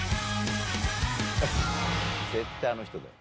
絶対あの人だよ。